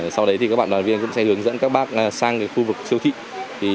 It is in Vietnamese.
sau đấy thì các bạn đoàn viên cũng sẽ hướng dẫn các bác sang khu vực siêu thị